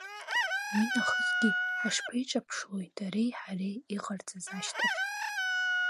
Уинахысгьы ҳашԥеиҿаԥшлои дареи ҳареи иҟарҵаз ашьҭахь?